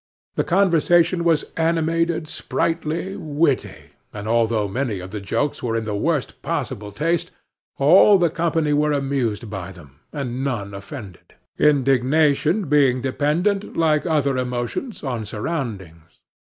The conversation was animated, sprightly, witty, and, although many of the jokes were in the worst possible taste, all the company were amused by them, and none offended indignation being dependent, like other emotions, on surroundings.